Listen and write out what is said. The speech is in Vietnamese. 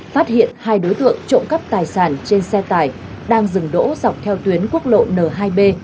phát hiện hai đối tượng trộm cắp tài sản trên xe tải đang dừng đỗ dọc theo tuyến quốc lộ n hai b